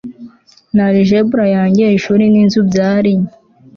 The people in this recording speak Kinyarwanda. na algebra yanjye.ishuri n'inzu byari